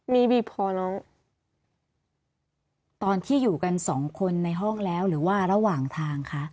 มีวีพอแล้วตอนที่อยู่กันสองคนในห้องแล้วหรือว่าระหว่างทางคะ